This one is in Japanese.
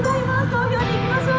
投票に行きましょう。